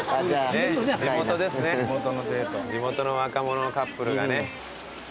地元の若者のカップルがね。